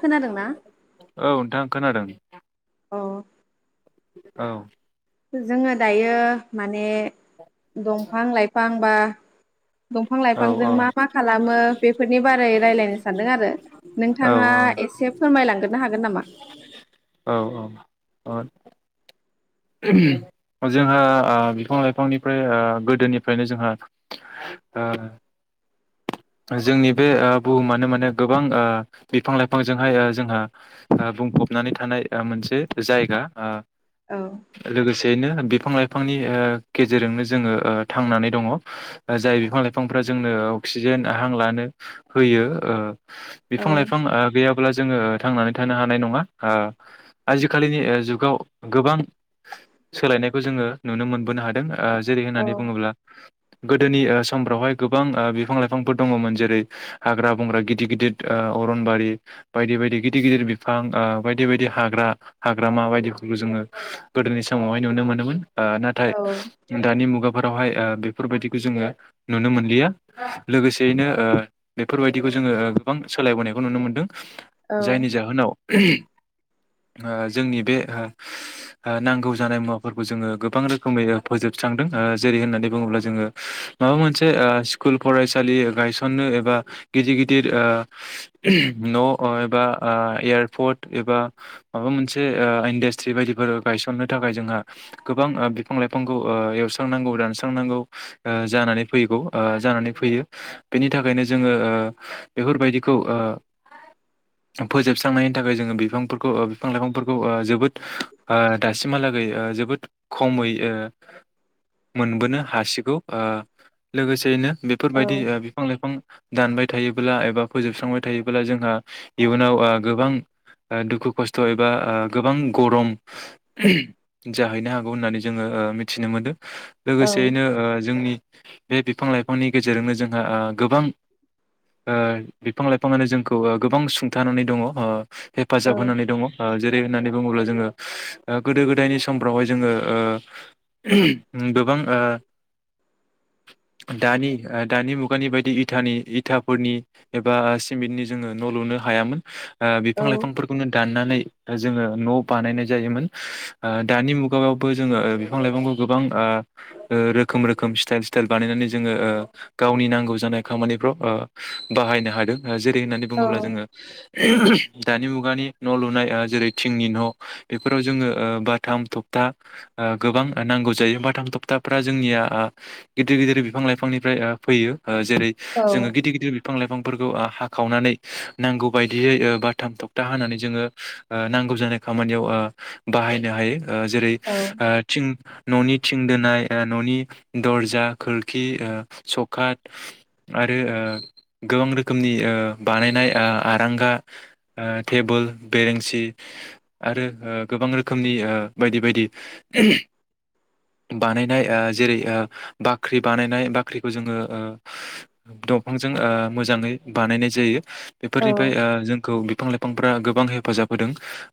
खोनादोंना? औ नोंथां खोनादों अ औ जोङो दायो मान माने दंफां -लाइफां बा दंफां औ -लाइफांजों मा मा खालामो बेफोरनि बारै रायलायनो सानदों आरो औ नोंथाङा एसे फोरमायलांगोरनो हागोन नामा औ औ जोंहा आ‌ बिफां लाइफां निफ्राय आ गोदोनिफ्रायनो जोंहा ओ जोंनि बे ओ बुहुमानो माने गोबां ओ बिफां लाइफांजोंहाय जोंहा ओ बुंफबनानै थानाय ओ‌ मोनसे जायगा औ बेनो बिफां लाइफांनि ओ गेजेरजोंनो जोङो ओ थांनानै दङ जाय बिफां लाइफांफ्रा जोंनो अक्सिजेन हां लानो होयो ओ औ बिफां लाइफां ओ गैयाब्ला जोङो थांनानै थानो हानाय नङा आजिखालिनि जुगाव गोबां सोलायनायखौ जोङो नुनो मोनबोनो हादों ओ जेरै औ होननानै बुङोब्ला गोदोनि ओ समफ्रावहाय गोबां ओ बिफां लाइफां बिफांफोर दङमोन जेरै हाग्रा बंग्रा गिदिर गिदिर अरनबारि बायदि बायदि गिदिर गिदिर बिफां ओ बायदि बायदि हाग्रा हाग्रामा बायदिफोरखौ जोङो गोदोनि समावहाय नुनो मोनोमोन ओ नाथाय औ दानि मुगाफोरावहाय ओ बेफोरबायदिखौ जोङो नुनो मोनलिया लोगोसेयैनो ओ बेफोरबायदिखौ ओ जोङो गोबां सोलायबोनायखौ नुनो मोन्दों औ जायनि जाहोनाव ओ जोंनि बे ओ नांगौ जानाय मुवाफोरखौ जोङो गोबां रोखोमै फोजोबस्रांदों जेरै होननानै बुङोब्ला जोङो माबा मोनसे ओ स्कुल फरायसालि गायसननो एबा गिदिर गिदिर ओ न' एबा ओ एयारपर्ट एबा माबा मोनसे ओ इडास्ट्रि बायदिफोर गायसननो थाखाय जोंहा गोबां ओ बिफां लाइफांखौ एवस्रांनांगौ दानस्रांनांगौ ओ जानानै फैगौ ओ जानानै फैयो बेनि थाखायनो जोङो ओ बेफोरबायदिखौ ओ फोजोबस्रांनायनि थाखाय जोङो बे बिफांफोरखौ ओ बिफां लाइफांफोरखौ ओ जोबोद ओ दासिमहालागै ओ जोबोद खमै ओ मोनबोनो हासिगौ ओ लोगोसेयैनो औ बेफोरबायदि ओ बिफां लाइफां दानबाय थायोब्ला एबा फोजोबस्रांबाय थायोब्ला जोंहा इयुनाव ओ गोबां दुखु खस्थ' एबा ओ गोबां गरम जाहैनो हागौ होननानै जोङो ओ मिथिनो मोनदों। औ लोगोसेयैनो ओ जोंनि बे बिफां लाइफांनि गेजेरजोंनो जोंहा ओ गोबां ओ बिफां लाइफाङानो जोंखौ गोबां सुंथानानै दङ ओ औ हेफाजाब होनानै दङ ओ जेरै होननानै बुङोब्ला जोङो गोदो गोदायनि समफ्रावहाय जोङो ओ गोबां दानि दानि मुगानि बायदि इथानि इथाफोरनि एबा सिमेन्टनि जोङो न' लुनो हायामोन ओ औ बिफां लाइफांफोरखौनो दाननानै जोङो न' बानायनाय जायोमोन दानि मुगायावबो जोङो बिफां लाइफांखौ गोबां ओ रो खोम रोखोम स्टाइल स्टाइल बानायनानै जोङो ओ गावनि नांगौ जानाय खामानिफ्राव ओ बाहायनो हादों जेरै होननानै औ बुङोब्ला जोङो दानि मुगानि न' लुनाय ओ जेरै थिंनि न' बेफोराव जोङो बाथाम थबथा ओ गोबां नांगौ जायो बाथाम थबथाफ्रा जोंनिया गिदिर गिदिर बिफां लाइफां फ्राय फैयो ओ जेरै जोङो गिदिर गिदिर बिफइां लाइफां फोरखौ हाखावनानै नांगौ बायदियै बाथाम थखथा हानानै जोङो ओ नांगौ जानाय खामानियाव ओ बाहायनो हायो ओ जेरै औ आ थिं न'नि थिं दोनाय न'नि दरजा खोरखि ओ सखा आरो ओ गोबां रोखोमनि बानायनाय आरांगा टेबोल बेरेंसि आरो गोबां रोखोमनि बायदि बायदि बानायनाय जेरै बाख्रि बानायनाय, फ्रिखौ जोङो ओ दंफांजों ओ मोजाङै बानायनाय जायो बेफोरनिफ्राय जोंखौ बिफां लाइफां बिफांफ्रा गोबां हेफाजाब होदों,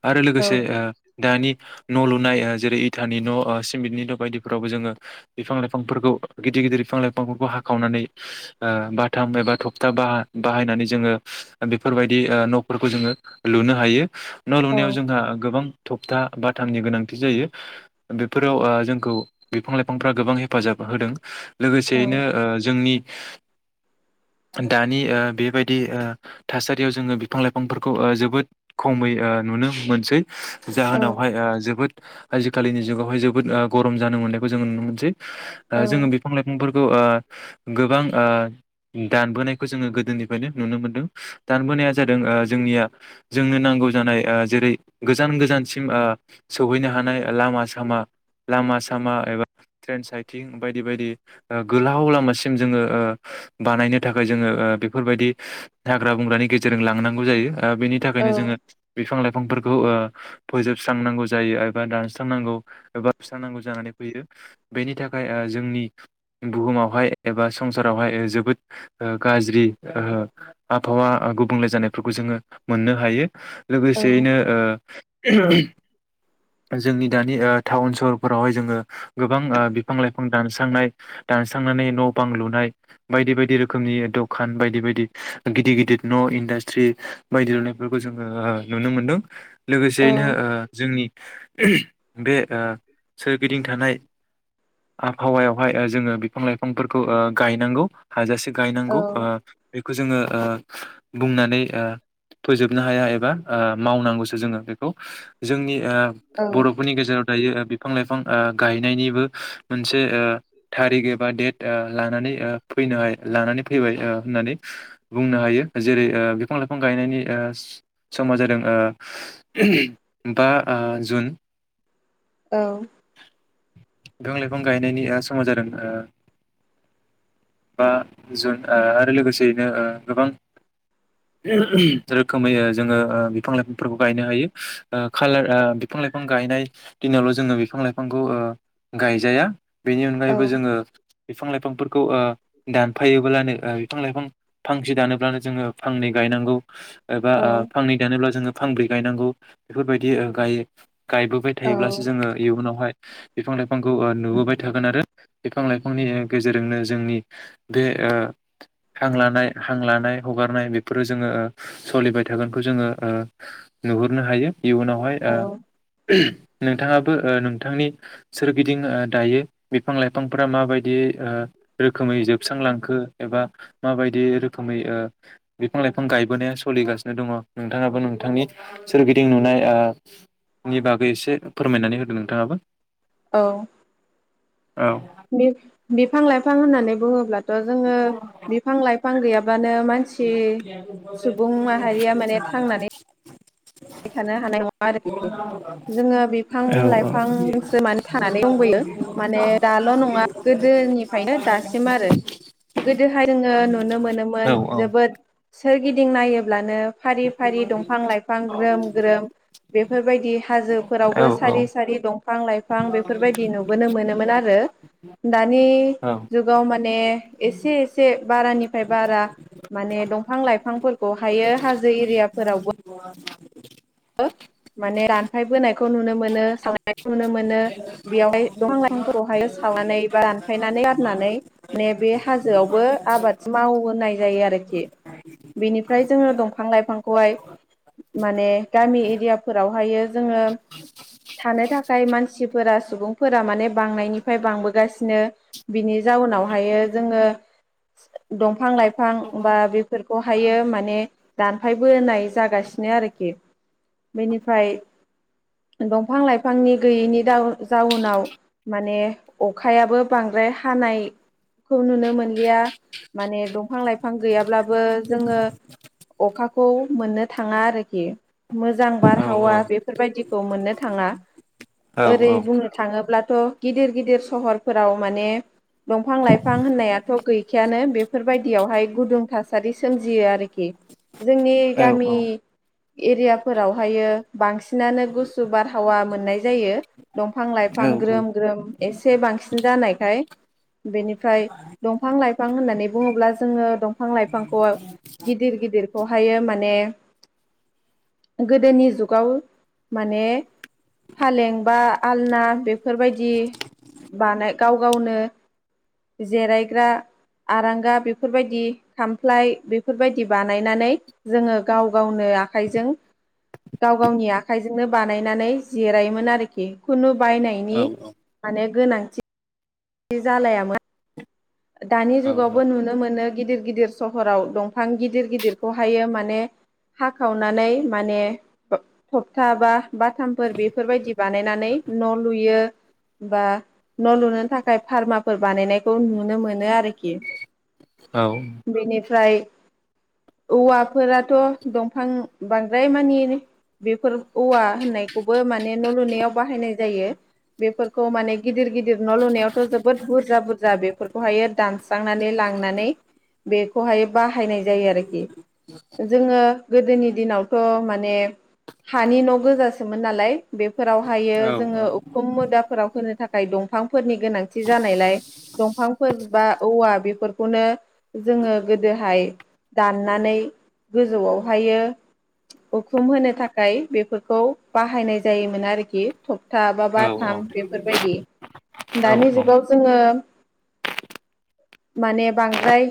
आरो औ लोगोसे ओ दानि न' लुनाय जेरै इथानि न' सिमेन्टनि न' बायदिफोरावबो जोङो बिफां लाइफांफोरखौ गिदिर गिदिर बिफां लाइफां, बिफांफोरखौ हाखावनानै ओ बाथाम एबा थपथा ब बाहायनानै जोङो बेफोरबायदि न'फोरखौ जोङो लुनो हायो। न' लुनायाव जोंहा गोबां, थप्था बााथामनि गोनांथि जायो बेफोराव ओ जोंखौ बिफां लाइफांफ गोबां हेफाजाब होदों लोगो बेनो ओ जोंनि दानि ओ बेबायदि ओ थासारियाव जोङो बिफां लाइफांफोरखौ जोबोद खमै नुनो मोनसै, जाहोनावहाय ओ जोबोद आजिखालिनि जुगावहाय जोबोद ग'रम जानो मोन्नायखौ जों नुनो मोनसै, औ जोङो बिफां लाइफांफोर, औ आ गोबां ओ दानबोनायखौ जोङो गोदोनिफ्रायनो नुनो मोनदों दानबोनाया जादों जोंनिया जोंनो नांगौ जानाय जेरै गोजान गोजानसिम सौहैनो हानाय लामा सामा लामा सामा एबा ट्रेन साइथिं बायदि बायदि, गोलाव लामासिम जोङो ओ बानायनो थाखाय जोङो बेफोरबायदि हाग्रा बंग्रानि गेजेरजों लांनांगौ जायो। ओ बेनि थाखायनो जोङो बिफां लाइ बिफांफोरखौ ओ फोजोबस्रांनांगौ जायो एबा दानस्रांनांगौ एबा सुस्रांनांगौ जानानै फैयो बेनि थाखाय जोंनि, बुहुमावहाय एबा संसारावहाय जोबोद, गाज्रि ओ आबहावा गुबुंले जानायफोरखौ जोङो मोननो हायो लोगोसेयैनो ओ [unintelligible] जोंनि दानि टाउन सहरफोरावहाय जोङो गोबां बिफां लाइफां दानस्रांनाय दानस्रांनानै न' बां लुनाय, बायदि बायदि रोखोमनि द'खान बायदि बायदि गिदिर गिदिर न' इन्डास्ट्रि बायदि दुनायफोरखौ जोङो नुनो मोनदों लोगोसेयैनो जोंनि, बे सोरगिदिं थानाय आबहावायावहाय जोङो बिफां लाइफांफोरखौ ओ गायनांगौ हाजासे गायनांगौ बेखौ जोङो, ओ बुंनानै ओ फोजोबनो हाया एबा मावनांगौसो जोङो बेखौ जोंनि ओ बर'फोरनि गेजेराव दायो बिब, बिफां लाइफां ओ गायनायनिबो मोनसे थारिख एबा डेट लानानै फैनो लानानै फैबाय होननानै बुंनो हायो जेरै बिफां लाइफां गायनायनि समा जादों बा जुन औ बिफां लाइफां गायनायनि समा जादों ओ बा जुन आरो लोगोसेयैनो गोबां रोखोमै जोङो बिफां लाइफांफोरखौ गायनो हायो खाालार, बिफां लाइफां गायनाय दिनावल' जोङो बिफां लाइफांखौ ओ गायजाया, बेनि अनगायैबो जोङो, बिफां लाइफांफोरखौ दानफ फैायोबोब्लाानो ओ बिफां लाइफां, फांसे दानोब्लानो जोङो फांनै गायनांगौ, एबा ओ फांनै दानोब्ला जोङो, फांब्रै गायनांगौ बेफोरबायदि ओ गाय गायबोबाय थायोब्लासो जोङो इयुनावहाय बिफां- लाइ फांखौ ओ नुबोबाय थागोन आरो बिफां लाइफांनि गेजेरजोंनो जोंनि बे ओ हां लानाय हां लानाय हगारनाय बेफोरो जोङो ओ सलिबाय थागोनखौ ओ जोङो नुहुरनो हायो इयुनावहाय औ ओ नोंथाङाबो ओ नोंथांनि सोरगिदिं ओ दायो बिफां लाइफांफोरा माबायदि ओ रोखोमै जोबस्रांलांखो एबा माबायदि रोखोमै ओ बिफां लाइफां गायबोनाया सोलिगासिनो दङ' नोंथाङाबो नोंथांनि सोरगिदिं नुनाय ओ नि बा गै एसे फोरमायनानै होदो नोंथाङाबो। औ बि-बिफां लाइफां होननानै बुङोब्ला जोङो बिफां लाइफां गैयाब्लानो मानसि सुबुं माहारिया माने थांनानै [unintelligible] थानो हानाय नङा आरोखि जोङो बिफां औ लाइफांसो माने थानानै दंबोयो माने दाल' नङा गोदोनिफ्रायनो दासिम आरो गोदोहाय जोङो नुनो औ मोनोमोन जोबोद सोरगिदिं नायोब्लानो फारि फारि दंफां लाइफां ग्रोम ग्रोम बेफोरबायदि औ हाजोफोरावबो सारि सारि दं बिफां लाइफां बेफोर बायदि नुबोनो मोनोमोन आरो दानि औ जुगाव माने एसे एसे बारा निफ्राय बारा माने दंफां लाइफांफोरखौ हायो हाजो एरियाफोरावबो [inaudible] [unintelligible] माने रानखाय बोनाय खौ नुनो मोनो सावनायखौ नुनो मोनो बेयावहाय बिफां लाइफांखौहाय सावनानै बा रानफायनानै गारनानै मे बे हाजोआवबो आबाद मावहाय जायो आरोखि बेनिफ्राय जोङो दंफां लाइफांखौहाय माने गामि एरियाफोराव बेयावहायो जोङो थानो थाखाय मानसिफोरा सुबुंफोरा माने बांनायनिफ्राय बांबोगासिनो बिनि जाउनावहायो जोङो दंफां लाइ फां बा बेफोरखौहायो माने दानफाय बोनाय जागासिनो आरोखि बेनिफाय दंफां लाइफांनि गैयैनि दाउन जाउनाव माने अखायाबो बांद्राय हानायखौ नुनो मोनलिया माने दंफां लाइफां गैयाब्लाबो जोङो अखाखौ मोननो थाङा आरोखि मोजां औ बारहावा बेफोरबादिखौ मोननो थाङा औ ओरै बुंनो थाङोब्लाथ' गिदिर गिदिर सहरफोराव माने दंफां लाइफां होननायाथ' गैखाया बेफोरबायदियाव गुदुं थासारि सोमजियो आरोखि जोंनि गामि एरियाफोरावहाययो बांसिनानो गुसु बारहावा मोननाय जायो दंफां लाइफां ग्रोम ग्रोम एसे बांसिन जानायखाय बेनिफ्राय दंफां लाइफां होननानै बुङोब्ला जोङो दंफां लाइफांखौ गिदिर गिदिरखौहायो माने गोदोनि जुगाव माने फालें बा आलना बेफोरबायदि आखाइजों गाव गावनि आखाइजोंनो बानायनानै जिरायोमोन आरोखि खुनु औ बायनायनि औ माने गोनांथि ग इ जालायामोन दानि औ जुगावबो नुनो मोनो गिदिर गिदिर सहराव दंफां गिदिर गिदिरखौहाययो माने हाखावनानै माने थ थंगथा बा बाथामफोर बेफोरबायदि बानायनानै न लुयो बा न लुनो थाखाय फार्माफोर बानायनायखौ नु नुनो मोनो आरोखि औ बेनिफ्राय औवाफोराथ दंफां बांद्राय मानि बेफोर औवा होननायखौबो माने न लुनायाव बाहायनाय फोरखौहायो दानस्रांनानै लांनानै बेखौहाय बाहायनाय जायो आरोखि जोङो गोदोनि दिनावथ माने हानि न गोजासोमोन नालाय बेफोरावहायो जोङो उखुम मुदाफोराव दंफांफोरनि गोनांथि जानायलाय दंफांफोर बा औवा बेफोरखौनो जोङो गोदोहाय दाननानै गोजौआवहायो उखुम होनो थाखाय बेफोरखौ बाहायनाय जायोमोन आरोखि थगथा बा बाथाम बेफोरबायदि दानि जुगाव जोङो माने बांद्राय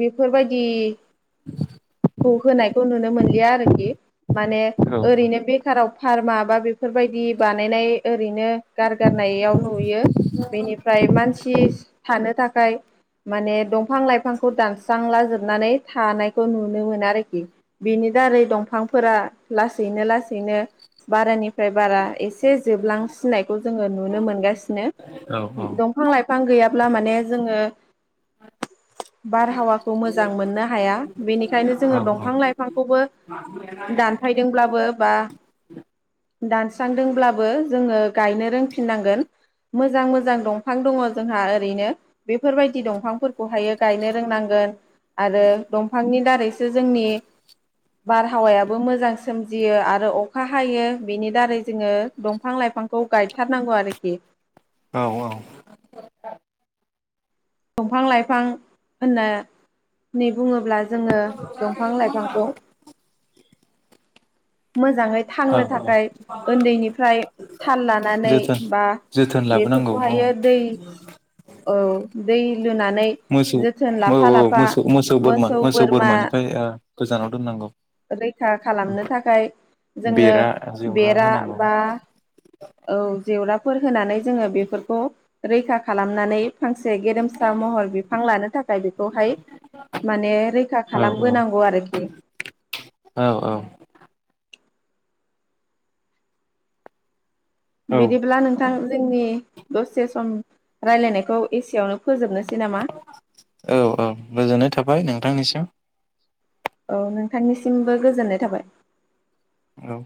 बेफोरबायदि खौ होनायखौ नुनो मोनलिया आरोखि माने ओरैनो बेखाराव फार्मा बा बेफोरबायदि बानायनाय ओरैनो गारगारनायाव नुयो बेनिफ्राय मानसिस थानो थाखाय माने दंफां लाइफांखौ दानस्रांला जोबनानै थानायखौ नुनो मोना आरोखि बेनि दारै दंफांफोरा लासैनो लासैनो बारानिफ्राय बारा एसे जोबलांसिननायखौ जों नुनो मोनगासिनो दंफां लाइफां बिफां गैयाब्ला माने जोङो बारहावाखौ मोजां मोननो हाया बेनिखायनो जोङो दंफां लाइफांखौबो दानफायदोंब्लाबो बादानस्रानदोंबाबो जोङो गायनो रोंफिननांगोन मोजां मोजां दंफां दङ जोंहा ओरैनो बेफोरबायदि दंफांफोरखौहाय गायनो रोंनांगोन आरो दंफांनि दारैसो जोंनि बारहावायाबो मोजां सोमजियो आरो अखा हायो बिनि दारै जोङो औ दंफां लाइफां होना नै बुङोब्ला जोङो दंफां लाइफांखौ मोजाङै थांनो औ। थाखाय ओन्दैनिफ्राय थाल लानानै जोथोन बा जोथोन लाबोनांगौ औ बेफोरखौहायो दै औ दै लुनानै मोसौ जोथोन औ लाफा औ लाफा मोसौ मोसौ बोरमा मोसौ बोरमा निफ्राय ओ गोजानाव दोननांगौ रैखा खालामनो थाखाय जोङो बेरा जेवरा बेरा होनांगौ बा ओव जेवराफोर होनानै जोङो बेफोरखौ रैखा खालामनानै फांसे गेरेमसा बिफां महर बिफां लानो थाखाय बेखौहाय माने रैखा रैखा औ खालामबोनांगौ आरोखि औ औ औ बिदिब्ला नोंथां जोंनि दसे सम रायलायनायखौ एसेयावनो फोजोबनोसै नामा औ औ गोजोननाय थाबाय नोंथांनिसिम ओव नोंथांनिसिमबो गोजोननाय थाबाय औ